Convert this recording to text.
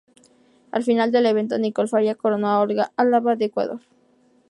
Al final del evento Nicole Faria coronó a Olga Álava de Ecuador.